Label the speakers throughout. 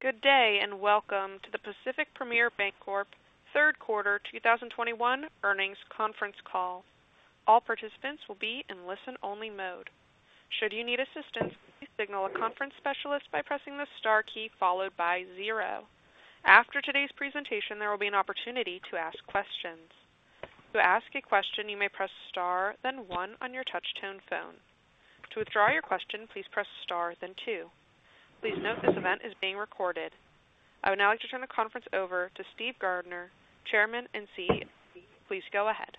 Speaker 1: Good day, and welcome to the Pacific Premier Bancorp third quarter 2021 earnings conference call. All participants will be in listen-only mode. Should you need assistance, please signal a conference specialist by pressing the star key followed by zero. After today's presentation, there will be an opportunity to ask questions. To ask a question, you may press star then one on your touchtone phone. To withdraw your question, please press star then two. Please note this event is being recorded. I would now like to turn the conference over to Steve Gardner, Chairman and CEO. Please go ahead.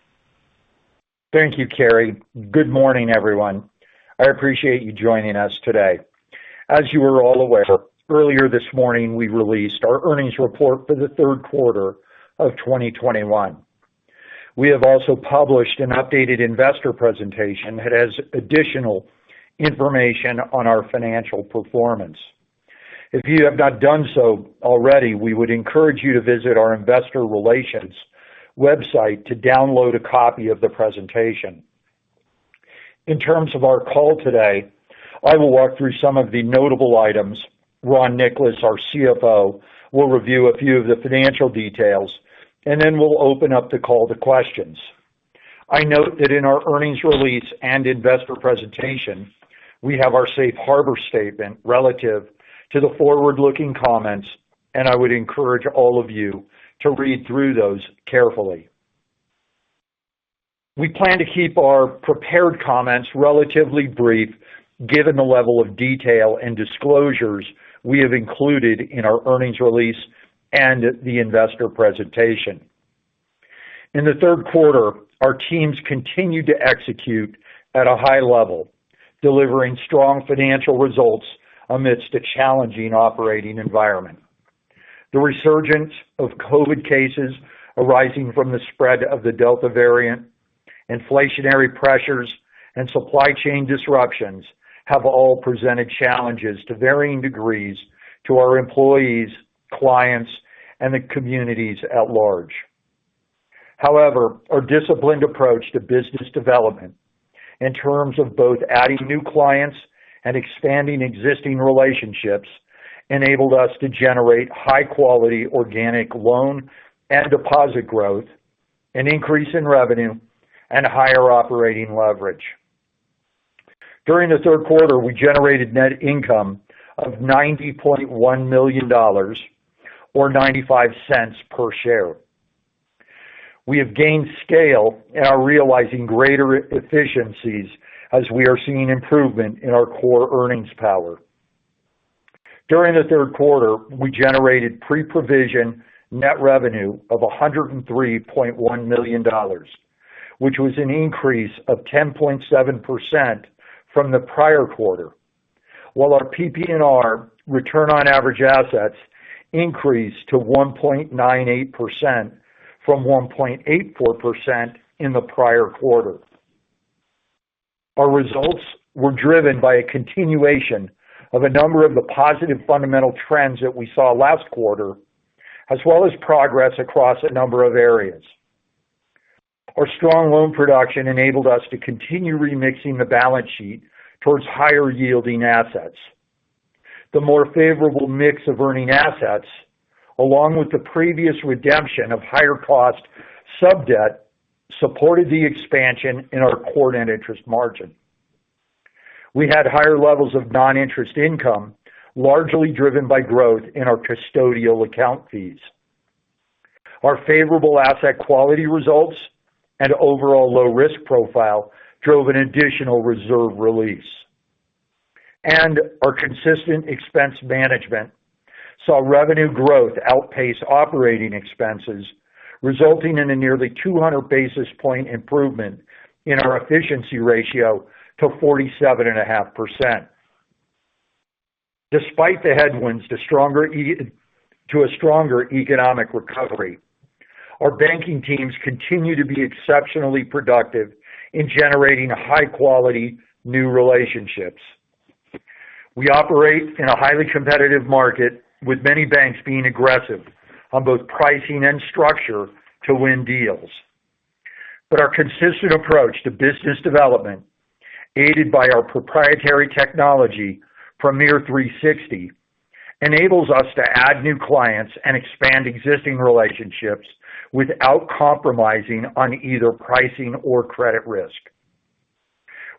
Speaker 2: Thank you, Carrie. Good morning, everyone. I appreciate you joining us today. As you are all aware, earlier this morning, we released our earnings report for the third quarter of 2021. We have also published an updated investor presentation that has additional information on our financial performance. If you have not done so already, we would encourage you to visit our investor relations website to download a copy of the presentation. In terms of our call today, I will walk through some of the notable items. Ronald Nicolas, our CFO, will review a few of the financial details, and then we'll open up the call to questions. I note that in our earnings release and investor presentation, we have our safe harbor statement relative to the forward-looking comments, and I would encourage all of you to read through those carefully. We plan to keep our prepared comments relatively brief given the level of detail and disclosures we have included in our earnings release and the investor presentation. In the third quarter, our teams continued to execute at a high level, delivering strong financial results amidst a challenging operating environment. The resurgence of COVID cases arising from the spread of the Delta variant, inflationary pressures, and supply chain disruptions have all presented challenges to varying degrees to our employees, clients, and the communities at large. However, our disciplined approach to business development in terms of both adding new clients and expanding existing relationships enabled us to generate high-quality organic loan and deposit growth, an increase in revenue, and higher operating leverage. During the third quarter, we generated net income of $90.1 million, or $0.95 per share. We have gained scale and are realizing greater efficiencies as we are seeing improvement in our core earnings power. During the third quarter, we generated pre-provision net revenue of $103.1 million, which was an increase of 10.7% from the prior quarter, while our PPNR, return on average assets, increased to 1.98% from 1.84% in the prior quarter. Our results were driven by a continuation of a number of the positive fundamental trends that we saw last quarter, as well as progress across a number of areas. Our strong loan production enabled us to continue remixing the balance sheet towards higher-yielding assets. The more favorable mix of earning assets, along with the previous redemption of higher-cost sub-debt, supported the expansion in our core net interest margin. We had higher levels of non-interest income, largely driven by growth in our custodial account fees. Our favorable asset quality results and overall low-risk profile drove an additional reserve release. Our consistent expense management saw revenue growth outpace operating expenses, resulting in a nearly 200-basis point improvement in our efficiency ratio to 47.5%. Despite the headwinds to a stronger economic recovery, our banking teams continue to be exceptionally productive in generating high-quality new relationships. We operate in a highly competitive market, with many banks being aggressive on both pricing and structure to win deals. Our consistent approach to business development, aided by our proprietary technology, Premier 360, enables us to add new clients and expand existing relationships without compromising on either pricing or credit risk.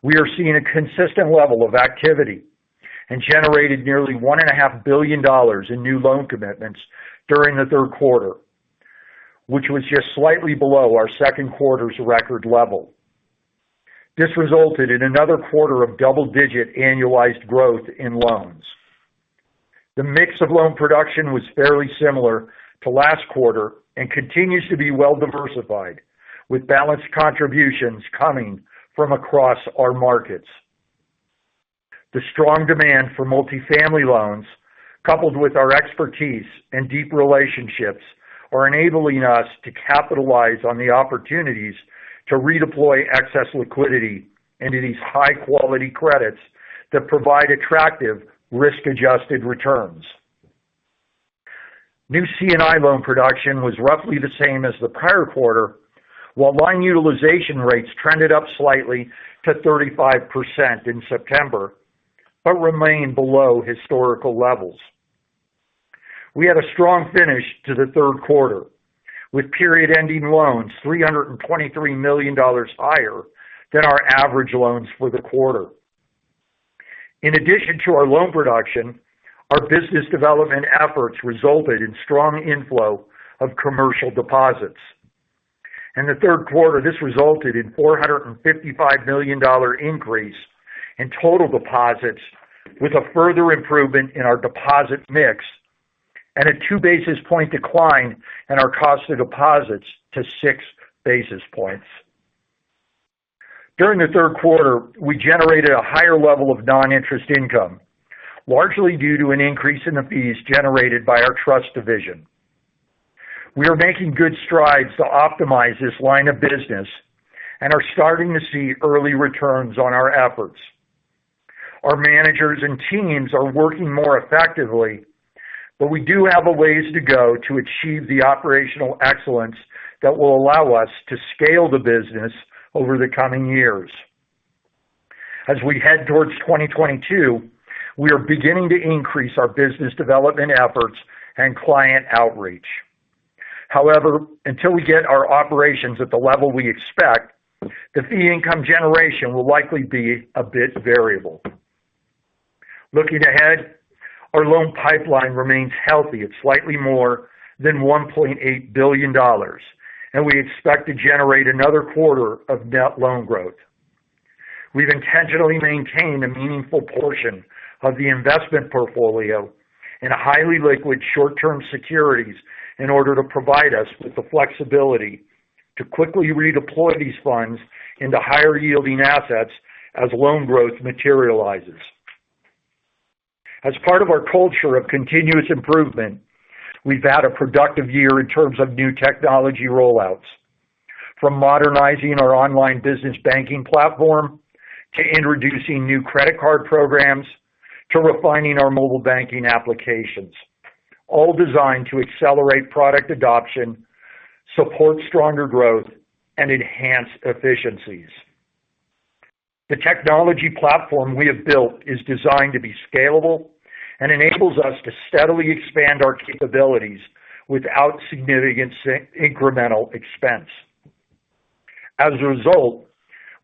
Speaker 2: We are seeing a consistent level of activity and generated nearly $1.5 billion in new loan commitments during the third quarter, which was just slightly below our second quarter's record level. This resulted in another quarter of double-digit annualized growth in loans. The mix of loan production was fairly similar to last quarter and continues to be well-diversified, with balanced contributions coming from across our markets. The strong demand for multifamily loans, coupled with our expertise and deep relationships, are enabling us to capitalize on the opportunities to redeploy excess liquidity into these high-quality credits that provide attractive risk-adjusted returns. New C&I loan production was roughly the same as the prior quarter, while line utilization rates trended up slightly to 35% in September, but remained below historical levels. We had a strong finish to the third quarter, with period-ending loans $323 million higher than our average loans for the quarter. In addition to our loan production, our business development efforts resulted in strong inflow of commercial deposits. In the third quarter, this resulted in $455 million increase in total deposits, with a further improvement in our deposit mix and a two basis point decline in our cost of deposits to six basis points. During the third quarter, we generated a higher level of non-interest income, largely due to an increase in the fees generated by our trust division. We are making good strides to optimize this line of business and are starting to see early returns on our efforts. Our managers and teams are working more effectively, but we do have a ways to go to achieve the operational excellence that will allow us to scale the business over the coming years. As we head towards 2022, we are beginning to increase our business development efforts and client outreach. However, until we get our operations at the level we expect, the fee income generation will likely be a bit variable. Looking ahead, our loan pipeline remains healthy at slightly more than $1.8 billion, and we expect to generate another quarter of net loan growth. We've intentionally maintained a meaningful portion of the investment portfolio in highly liquid short-term securities in order to provide us with the flexibility to quickly redeploy these funds into higher yielding assets as loan growth materializes. As part of our culture of continuous improvement, we've had a productive year in terms of new technology rollouts, from modernizing our online business banking platform, to introducing new credit card programs, to refining our mobile banking applications, all designed to accelerate product adoption, support stronger growth, and enhance efficiencies. The technology platform we have built is designed to be scalable and enables us to steadily expand our capabilities without significant incremental expense. As a result,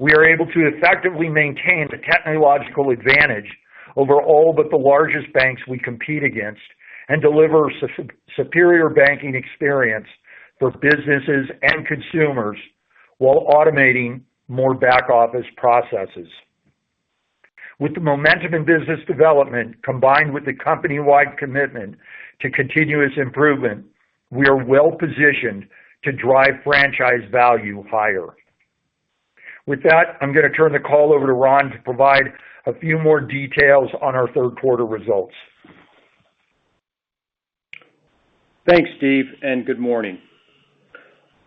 Speaker 2: we are able to effectively maintain the technological advantage over all but the largest banks we compete against and deliver superior banking experience for businesses and consumers while automating more back office processes. With the momentum in business development, combined with the company-wide commitment to continuous improvement, we are well positioned to drive franchise value higher. With that, I'm going to turn the call over to Ron to provide a few more details on our third quarter results.
Speaker 3: Thanks, Steve. Good morning.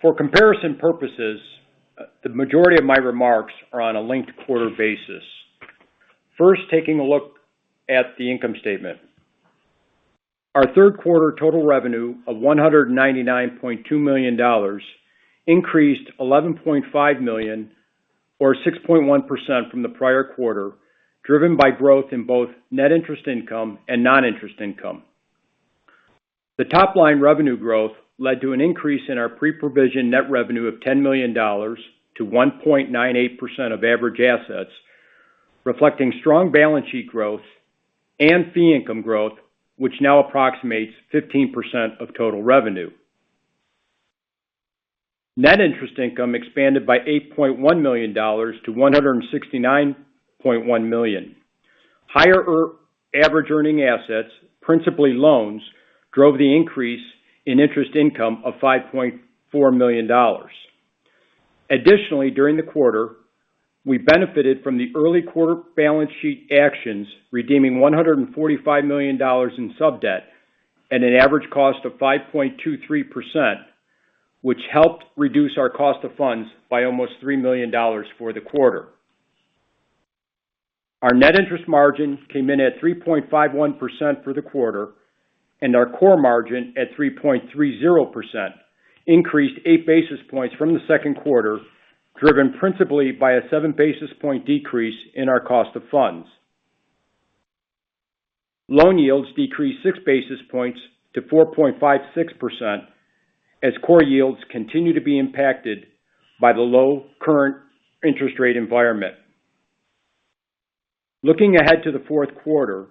Speaker 3: For comparison purposes, the majority of my remarks are on a linked quarter basis. First, taking a look at the income statement. Our third quarter total revenue of $199.2 million increased $11.5 million or 6.1% from the prior quarter, driven by growth in both net interest income and non-interest income. The top line revenue growth led to an increase in our pre-provision net revenue of $10 million to 1.98% of average assets, reflecting strong balance sheet growth and fee income growth, which now approximates 15% of total revenue. Net interest income expanded by $8.1 million to $169.1 million. Higher average earning assets, principally loans, drove the increase in interest income of $5.4 million. Additionally, during the quarter, we benefited from the early quarter balance sheet actions, redeeming $145 million in sub-debt at an average cost of 5.23%, which helped reduce our cost of funds by almost $3 million for the quarter. Our net interest margin came in at 3.51% for the quarter, and our core margin at 3.30%, increased eight basis points from the second quarter, driven principally by a seven basis point decrease in our cost of funds. Loan yields decreased six basis points to 4.56% as core yields continue to be impacted by the low current interest rate environment. Looking ahead to the fourth quarter,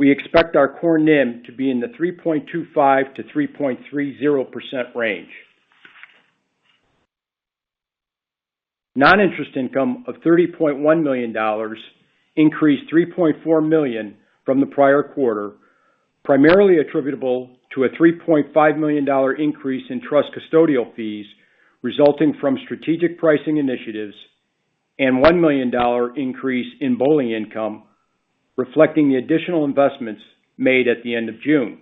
Speaker 3: we expect our core NIM to be in the 3.25%-3.30% range. Non-interest income of $30.1 million increased $3.4 million from the prior quarter, primarily attributable to a $3.5 million increase in trust custodial fees resulting from strategic pricing initiatives and $1 million increase in BOLI income, reflecting the additional investments made at the end of June.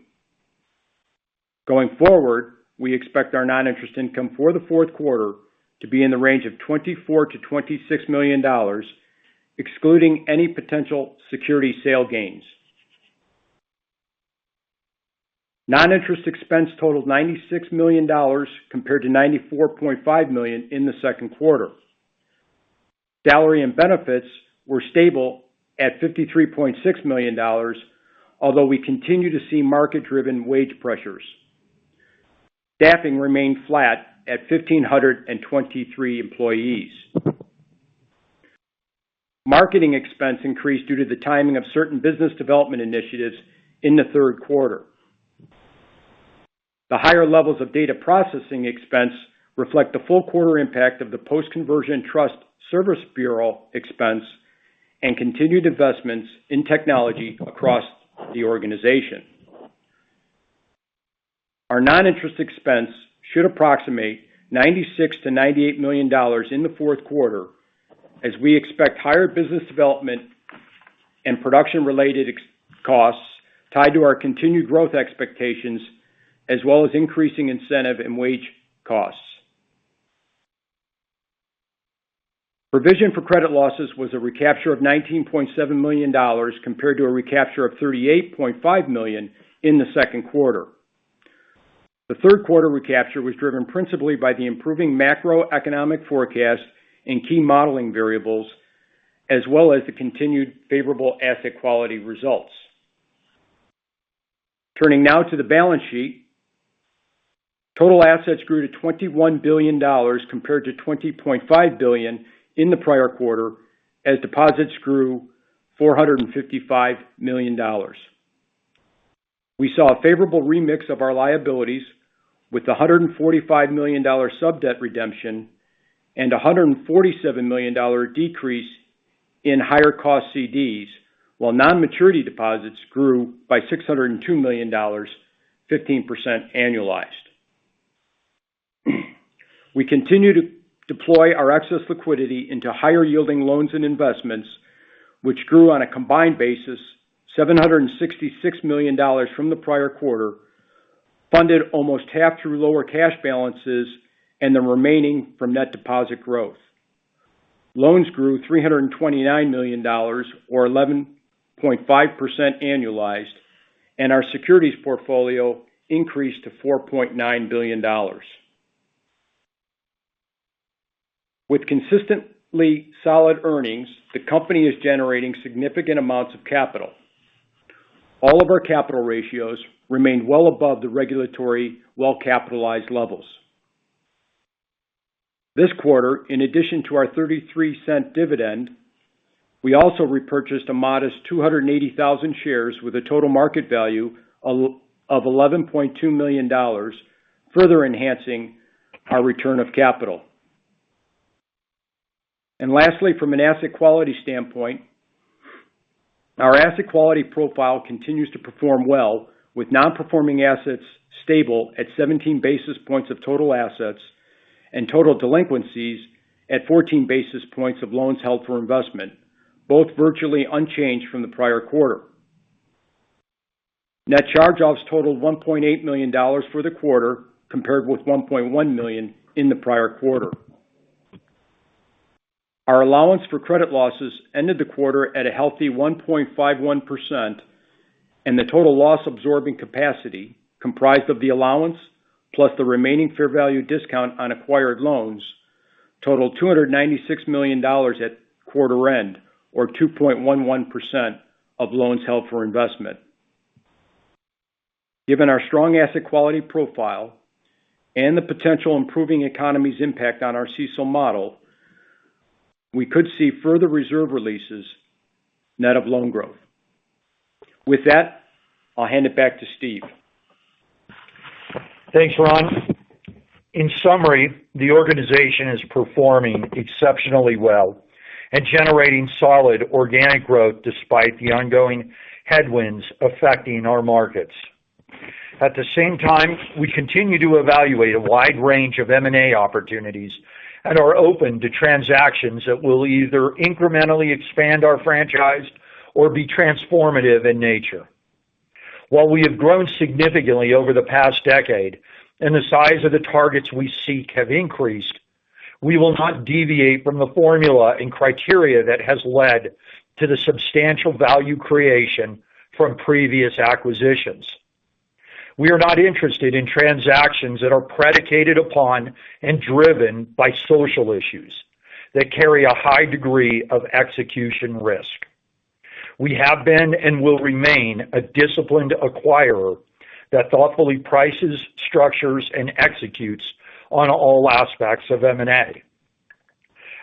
Speaker 3: Going forward, we expect our non-interest income for the fourth quarter to be in the range of $24 million-$26 million, excluding any potential security sale gains. Non-interest expense totaled $96 million compared to $94.5 million in the second quarter. Salary and benefits were stable at $53.6 million, although we continue to see market-driven wage pressures. Staffing remained flat at 1,523 employees. Marketing expense increased due to the timing of certain business development initiatives in the third quarter. The higher levels of data processing expense reflect the full quarter impact of the post-conversion trust service bureau expense and continued investments in technology across the organization. Our non-interest expense should approximate $96 million-$98 million in the fourth quarter as we expect higher business development and production-related costs tied to our continued growth expectations, as well as increasing incentive and wage costs. Provision for credit losses was a recapture of $19.7 million compared to a recapture of $38.5 million in the second quarter. The third quarter recapture was driven principally by the improving macroeconomic forecast in key modeling variables, as well as the continued favorable asset quality results. Turning now to the balance sheet. Total assets grew to $21 billion compared to $20.5 billion in the prior quarter as deposits grew $455 million. We saw a favorable remix of our liabilities with the $145 million sub-debt redemption and $147 million decrease in higher cost CDs while non-maturity deposits grew by $602 million, 15% annualized. We continue to deploy our excess liquidity into higher yielding loans and investments, which grew on a combined basis, $766 million from the prior quarter, funded almost half through lower cash balances and the remaining from net deposit growth. Loans grew $329 million, or 11.5% annualized, and our securities portfolio increased to $4.9 billion. With consistently solid earnings, the company is generating significant amounts of capital. All of our capital ratios remain well above the regulatory well-capitalized levels. This quarter, in addition to our $0.33 dividend, we also repurchased a modest 280,000 shares with a total market value of $11.2 million, further enhancing our return of capital. Lastly, from an asset quality standpoint, our asset quality profile continues to perform well with non-performing assets stable at 17 basis points of total assets and total delinquencies at 14 basis points of loans held for investment, both virtually unchanged from the prior quarter. Net charge-offs totaled $1.8 million for the quarter, compared with $1.1 million in the prior quarter. Our allowance for credit losses ended the quarter at a healthy 1.51%, and the total loss absorbing capacity, comprised of the allowance plus the remaining fair value discount on acquired loans, totaled $296 million at quarter end, or 2.11% of loans held for investment. Given our strong asset quality profile and the potential improving economy's impact on our CECL model, we could see further reserve releases net of loan growth. With that, I'll hand it back to Steve.
Speaker 2: Thanks, Ron. In summary, the organization is performing exceptionally well and generating solid organic growth despite the ongoing headwinds affecting our markets. At the same time, we continue to evaluate a wide range of M&A opportunities and are open to transactions that will either incrementally expand our franchise or be transformative in nature. While we have grown significantly over the past decade and the size of the targets we seek have increased, we will not deviate from the formula and criteria that has led to the substantial value creation from previous acquisitions. We are not interested in transactions that are predicated upon and driven by social issues that carry a high degree of execution risk. We have been and will remain a disciplined acquirer that thoughtfully prices, structures, and executes on all aspects of M&A.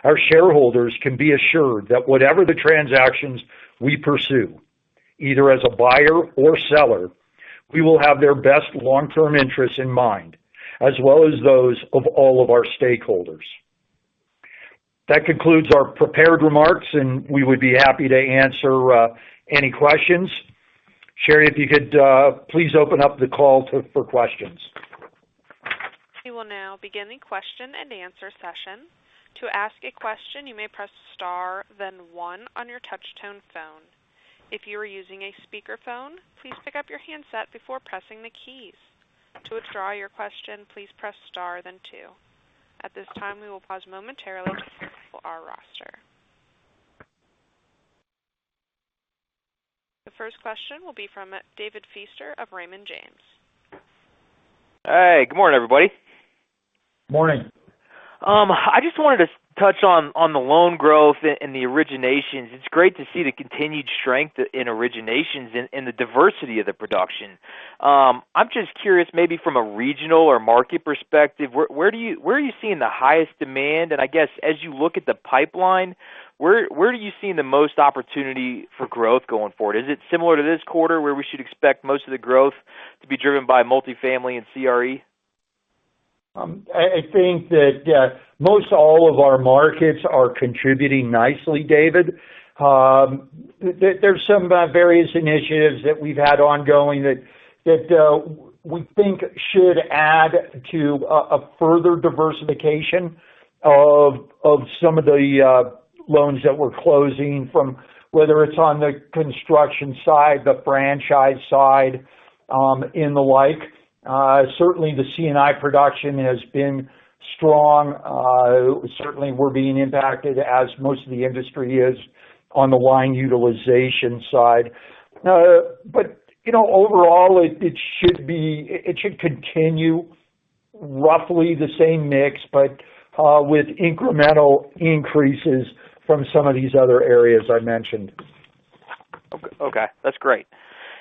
Speaker 2: Our shareholders can be assured that whatever the transactions we pursue, either as a buyer or seller, we will have their best long-term interests in mind, as well as those of all of our stakeholders. That concludes our prepared remarks, we would be happy to answer any questions. Sherry, if you could please open up the call for questions.
Speaker 1: We will now begin the question and answer session. To ask a question, you may press star then one on your touch-tone phone. If you are using a speakerphone, please pick up your handset before pressing the keys. To withdraw your question, please press star then two. At this time, we will pause momentarily for our roster. The first question will be from David Feaster of Raymond James.
Speaker 4: Hey, good morning, everybody.
Speaker 2: Morning.
Speaker 4: I just wanted to touch on the loan growth and the originations. It's great to see the continued strength in originations and the diversity of the production. I'm just curious, maybe from a regional or market perspective, where are you seeing the highest demand? I guess, as you look at the pipeline, where are you seeing the most opportunity for growth going forward? Is it similar to this quarter, where we should expect most of the growth to be driven by multifamily and CRE?
Speaker 2: I think that most all of our markets are contributing nicely, David. There's some various initiatives that we've had ongoing that we think should add to a further diversification of some of the loans that we're closing from, whether it's on the construction side, the franchise side, and the like. Certainly, the C&I production has been strong. Certainly, we're being impacted as most of the industry is on the line utilization side. Overall, it should continue roughly the same mix, but with incremental increases from some of these other areas I mentioned.
Speaker 4: Okay. That's great.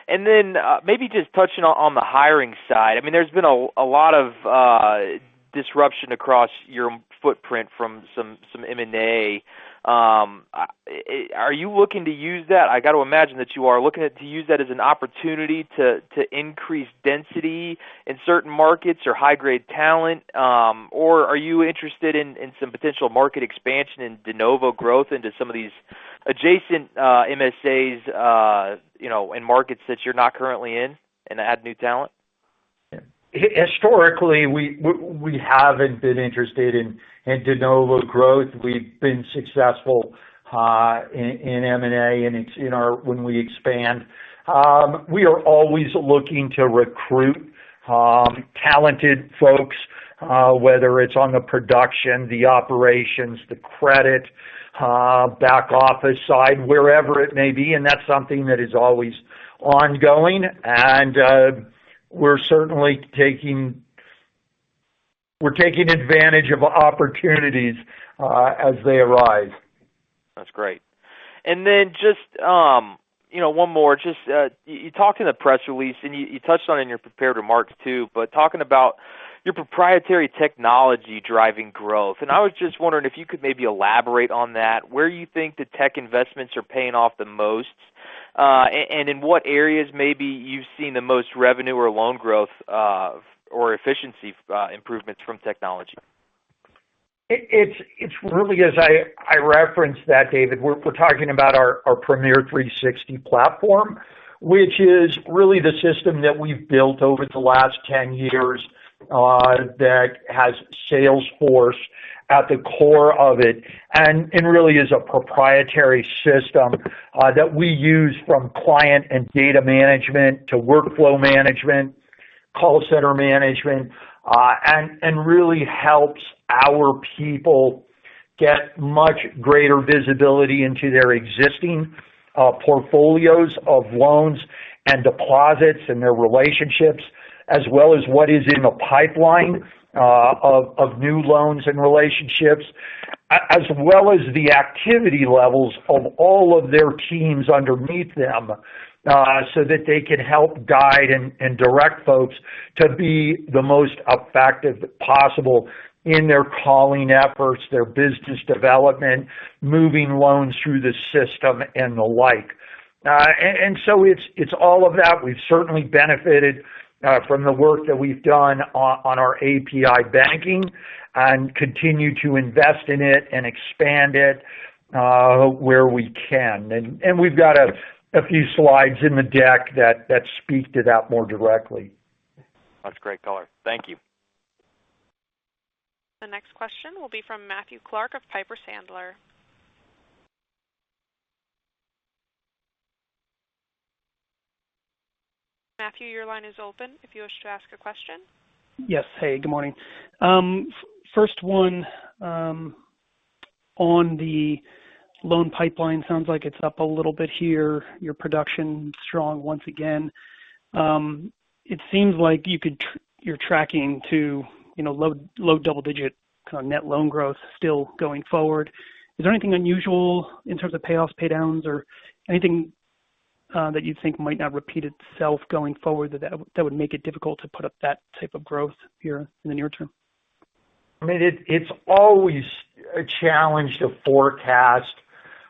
Speaker 4: Maybe just touching on the hiring side. There's been a lot of disruption across your footprint from some M&A. Are you looking to use that? I got to imagine that you are looking to use that as an opportunity to increase density in certain markets or high-grade talent. Are you interested in some potential market expansion and de novo growth into some of these adjacent MSAs, and markets that you're not currently in and add new talent?
Speaker 2: Historically, we haven't been interested in de novo growth. We've been successful in M&A and when we expand. We are always looking to recruit talented folks, whether it's on the production, the operations, the credit, back office side, wherever it may be, that's something that is always ongoing. We're certainly taking advantage of opportunities as they arise.
Speaker 4: That's great. Just one more. Just, you talk in the press release, and you touched on it in your prepared remarks, too, but talking about your proprietary technology driving growth. I was just wondering if you could maybe elaborate on that. Where you think the tech investments are paying off the most, and in what areas maybe you've seen the most revenue or loan growth, or efficiency improvements from technology?
Speaker 2: It's really as I referenced that, David. We're talking about our Premier 360 platform, which is really the system that we've built over the last 10 years, that has Salesforce at the core of it, and really is a proprietary system that we use from client and data management to workflow management, call center management, and really helps our people get much greater visibility into their existing portfolios of loans and deposits and their relationships. As well as what is in the pipeline of new loans and relationships, as well as the activity levels of all of their teams underneath them, so that they can help guide and direct folks to be the most effective possible in their calling efforts, their business development, moving loans through the system, and the like. It's all of that. We've certainly benefited from the work that we've done on our API banking, and continue to invest in it and expand it where we can. We've got a few slides in the deck that speak to that more directly.
Speaker 4: That's great color. Thank you.
Speaker 1: The next question will be from Matthew Clark of Piper Sandler. Matthew, your line is open if you wish to ask a question.
Speaker 5: Yes. Hey, good morning. First one, on the loan pipeline, sounds like it's up a little bit here. Your production strong once again. It seems like you're tracking to low double-digit kind of net loan growth still going forward. Is there anything unusual in terms of payoffs, paydowns, or anything that you think might not repeat itself going forward that would make it difficult to put up that type of growth here in the near term?
Speaker 2: It's always a challenge to forecast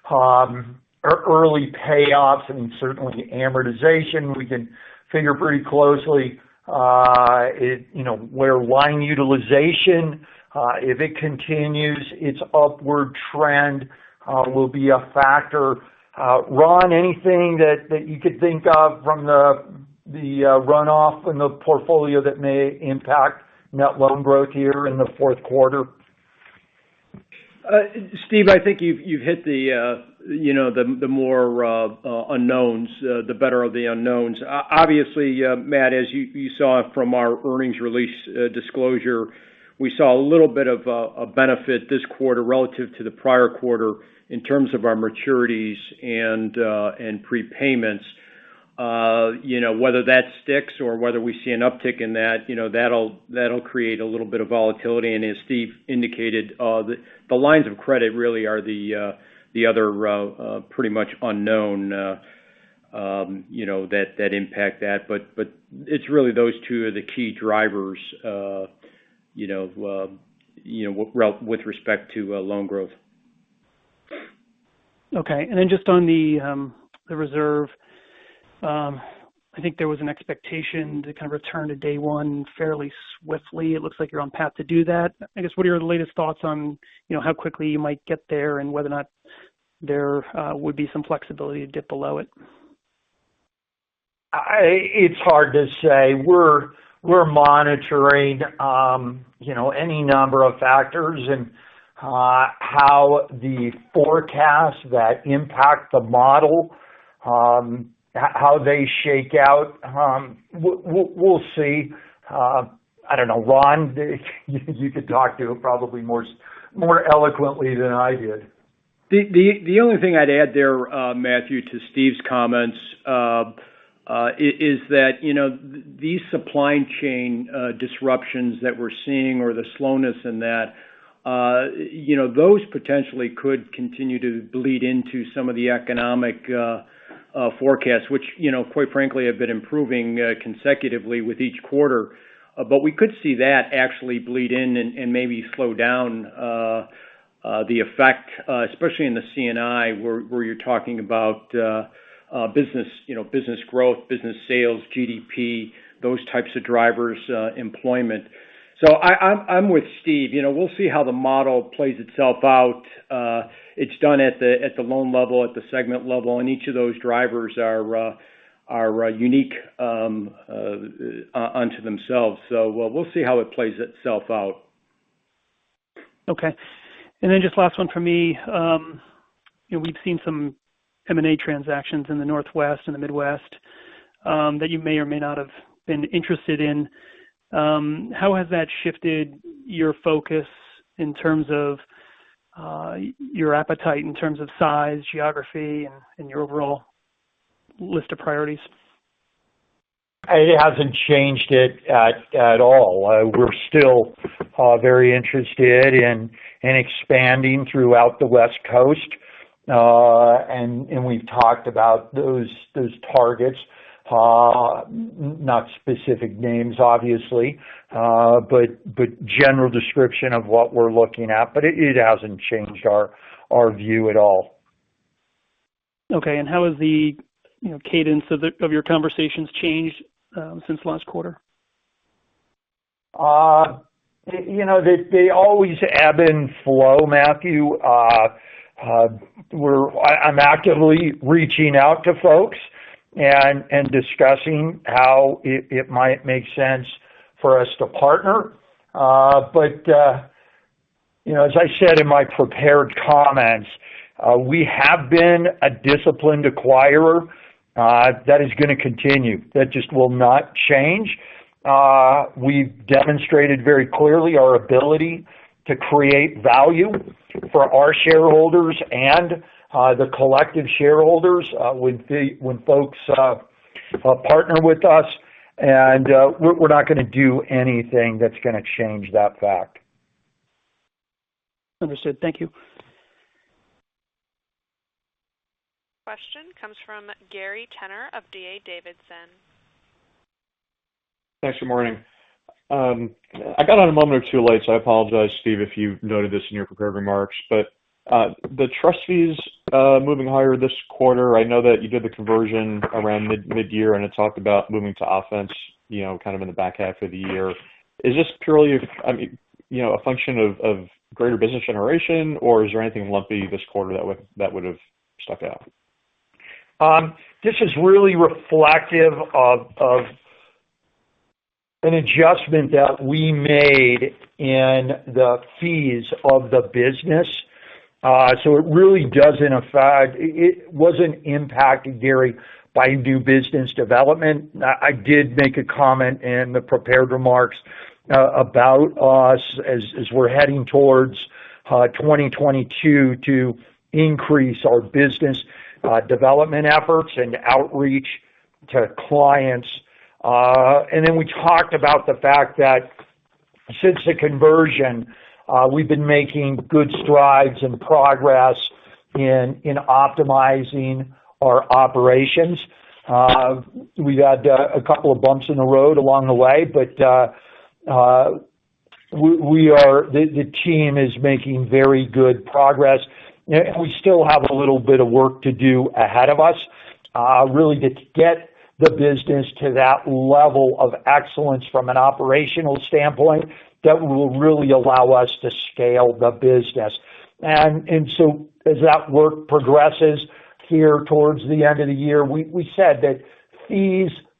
Speaker 2: early payoffs and certainly amortization. We can figure pretty closely where line utilization, if it continues its upward trend, will be a factor. Ron, anything that you could think of from the runoff in the portfolio that may impact net loan growth here in the fourth quarter?
Speaker 3: Steve, I think you've hit the more unknowns, the better of the unknowns. Obviously, Matt, as you saw from our earnings release disclosure, we saw a little bit of a benefit this quarter relative to the prior quarter in terms of our maturities and prepayments. Whether that sticks or whether we see an uptick in that'll create a little bit of volatility. As Steve indicated, the lines of credit really are the other pretty much unknown that impact that. It's really those two are the key drivers with respect to loan growth.
Speaker 5: Okay. Just on the reserve. I think there was an expectation to kind of return to day one fairly swiftly. It looks like you're on path to do that. I guess, what are your latest thoughts on how quickly you might get there, and whether or not there would be some flexibility to dip below it?
Speaker 2: It's hard to say. We're monitoring any number of factors and how the forecasts that impact the model, how they shake out. We'll see. I don't know, Ron, you could talk to it probably more eloquently than I did.
Speaker 3: The only thing I'd add there, Matthew, to Steve's comments, is that these supply chain disruptions that we're seeing or the slowness in that, those potentially could continue to bleed into some of the economic forecasts, which quite frankly, have been improving consecutively with each quarter. We could see that actually bleed in and maybe slow down the effect, especially in the C&I, where you're talking about business growth, business sales, GDP, those types of drivers, employment. I'm with Steve. We'll see how the model plays itself out. It's done at the loan level, at the segment level, and each of those drivers are unique unto themselves. We'll see how it plays itself out.
Speaker 5: Okay. Just last one from me. We've seen some M&A transactions in the Northwest and the Midwest that you may or may not have been interested in. How has that shifted your focus in terms of your appetite, in terms of size, geography, and your overall list of priorities?
Speaker 2: It hasn't changed it at all. We're still very interested in expanding throughout the West Coast. We've talked about those targets. Not specific names, obviously. General description of what we're looking at. It hasn't changed our view at all.
Speaker 5: Okay. How has the cadence of your conversations changed since last quarter?
Speaker 2: They always ebb and flow, Matthew. I'm actively reaching out to folks and discussing how it might make sense for us to partner. As I said in my prepared comments, we have been a disciplined acquirer. That is going to continue. That just will not change. We've demonstrated very clearly our ability to create value for our shareholders and the collective shareholders when folks partner with us, and we're not going to do anything that's going to change that fact.
Speaker 5: Understood. Thank you.
Speaker 1: Question comes from Gary Tenner of D.A. Davidson.
Speaker 6: Thanks. Good morning. I got on a moment or two late, so I apologize, Steve, if you noted this in your prepared remarks. The trust fees moving higher this quarter, I know that you did the conversion around mid-year, and it talked about moving to offense kind of in the back half of the year. Is this purely a function of greater business generation, or is there anything lumpy this quarter that would've stuck out?
Speaker 2: This is really reflective of an adjustment that we made in the fees of the business. It wasn't impacted, Gary, by new business development. I did make a comment in the prepared remarks about us as we're heading towards 2022 to increase our business development efforts and outreach to clients. We talked about the fact that since the conversion, we've been making good strides and progress in optimizing our operations. We've had a couple of bumps in the road along the way, but the team is making very good progress. We still have a little bit of work to do ahead of us, really to get the business to that level of excellence from an operational standpoint that will really allow us to scale the business as that work progresses. We said that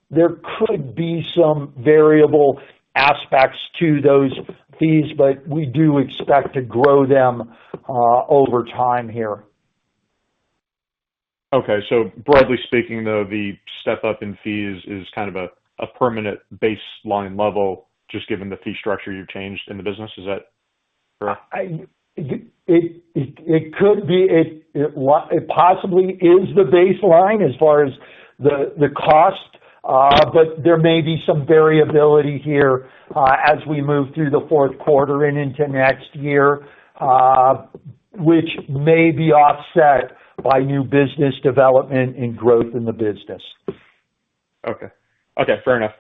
Speaker 2: there could be some variable aspects to those fees, but we do expect to grow them over time here.
Speaker 6: Okay. broadly speaking, though, the step up in fees is kind of a permanent baseline level, just given the fee structure you've changed in the business. Is that correct?
Speaker 2: It could be. It possibly is the baseline as far as the cost, but there may be some variability here as we move through the fourth quarter and into next year, which may be offset by new business development and growth in the business.
Speaker 6: Okay. Fair enough.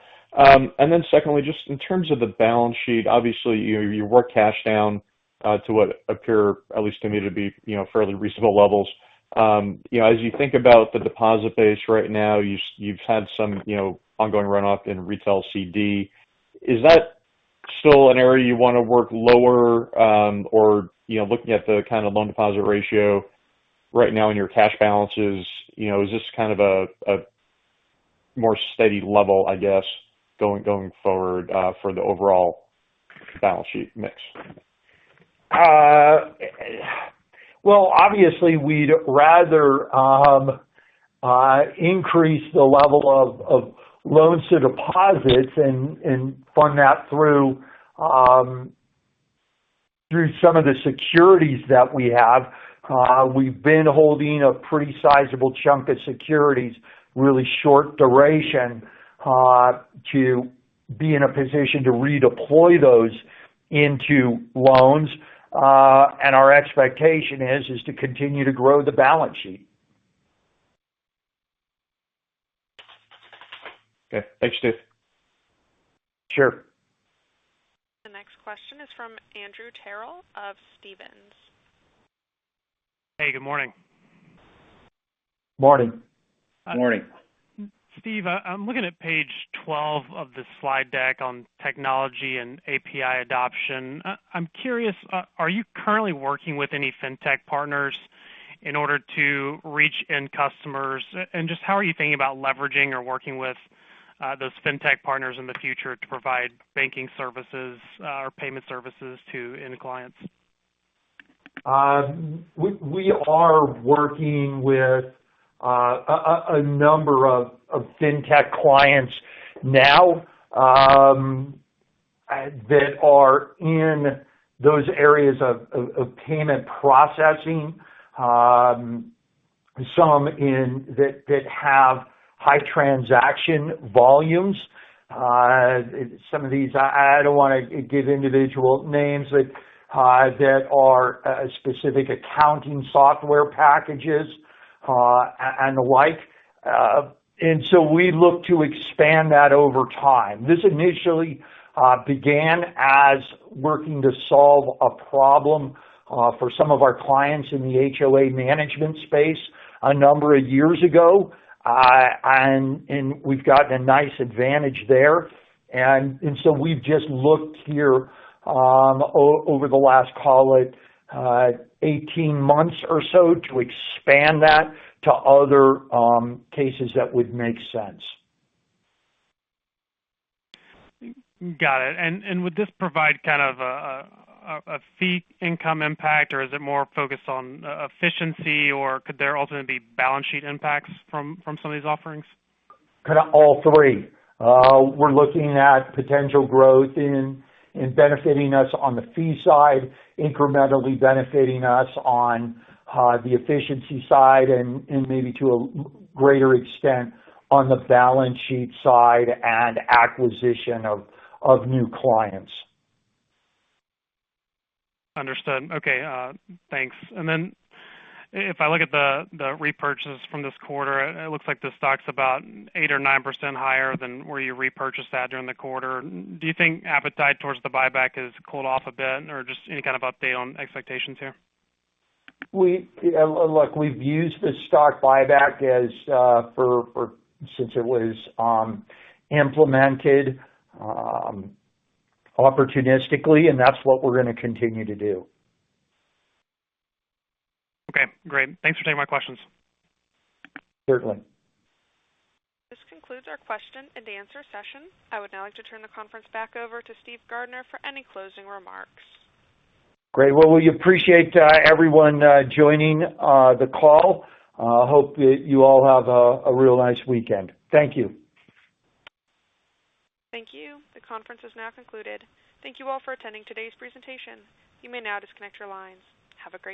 Speaker 6: Then secondly, just in terms of the balance sheet, obviously, you work cash down to what appear, at least to me, to be fairly reasonable levels. As you think about the deposit base right now, you've had some ongoing runoff in retail CD. Is that still an area you want to work lower? Looking at the kind of loan deposit ratio right now in your cash balances, is this kind of a more steady level, I guess, going forward for the overall balance sheet mix?
Speaker 2: Well, obviously, we'd rather increase the level of loans to deposits and fund that through some of the securities that we have. We've been holding a pretty sizable chunk of securities, really short duration, to be in a position to redeploy those into loans. Our expectation is to continue to grow the balance sheet.
Speaker 6: Okay. Thanks, Steve.
Speaker 2: Sure.
Speaker 1: The next question is from Andrew Terrell of Stephens.
Speaker 7: Hey, good morning.
Speaker 2: Morning.
Speaker 3: Morning.
Speaker 7: Steve, I'm looking at page 12 of the slide deck on technology and API adoption. I'm curious, are you currently working with any fintech partners in order to reach end customers? Just how are you thinking about leveraging or working with those fintech partners in the future to provide banking services or payment services to end clients?
Speaker 2: We are working with a number of fintech clients now that are in those areas of payment processing. Some that have high transaction volumes. Some of these, I don't want to give individual names, that are specific accounting software packages, and the like. We look to expand that over time. This initially began as working to solve a problem for some of our clients in the HOA management space a number of years ago. We've gotten a nice advantage there. We've just looked here over the last, call it 18 months or so, to expand that to other cases that would make sense.
Speaker 7: Got it. Would this provide kind of a fee income impact, or is it more focused on efficiency, or could there ultimately be balance sheet impacts from some of these offerings?
Speaker 2: Kind of all three. We're looking at potential growth in benefiting us on the fee side, incrementally benefiting us on the efficiency side, and maybe to a greater extent, on the balance sheet side and acquisition of new clients.
Speaker 7: Understood. Okay. Thanks. If I look at the repurchases from this quarter, it looks like the stock's about 8% or 9% higher than where you repurchased that during the quarter. Do you think appetite towards the buyback has cooled off a bit or just any kind of update on expectations here?
Speaker 2: Look, we've used the stock buyback since it was implemented opportunistically, and that's what we're going to continue to do.
Speaker 7: Okay, great. Thanks for taking my questions.
Speaker 2: Certainly.
Speaker 1: This concludes our question and answer session. I would now like to turn the conference back over to Steven R. Gardner for any closing remarks.
Speaker 2: Great. Well, we appreciate everyone joining the call. Hope that you all have a real nice weekend. Thank you.
Speaker 1: Thank you. The conference is now concluded. Thank you all for attending today's presentation. You may now disconnect your lines. Have a great day.